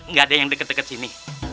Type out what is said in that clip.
nggak ada yang deket deket sini